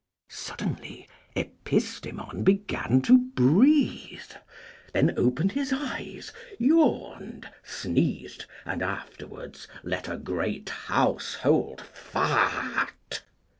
Suddenly Epistemon began to breathe, then opened his eyes, yawned, sneezed, and afterwards let a great household fart.